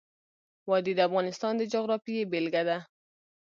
وادي د افغانستان د جغرافیې بېلګه ده.